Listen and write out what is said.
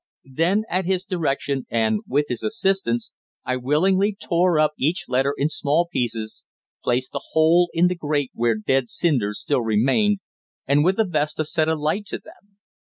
Then at his direction and with his assistance I willingly tore up each letter in small pieces, placed the whole in the grate where dead cinders still remained, and with a vesta set a light to them.